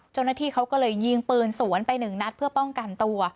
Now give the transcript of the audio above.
เจ้าหน้าที่เขาก็เลยยิงปืนสวนไปหนึ่งนัดเพื่อป้องกันตัว